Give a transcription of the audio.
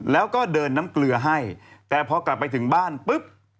แล้วก็เดินน้ำเกลือให้แต่พอกลับไปถึงบ้านปุ๊บ